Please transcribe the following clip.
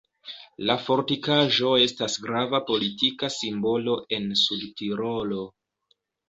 La fortikaĵo estas grava politika simbolo en Sudtirolo.